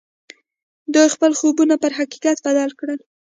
دوی خپل خوبونه پر حقيقت بدل کړل.